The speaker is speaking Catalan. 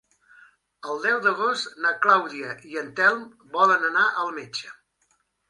El deu d'agost na Clàudia i en Telm volen anar al metge.